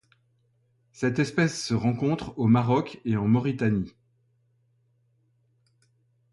Cette espèce se rencontre au Maroc et en Mauritanie.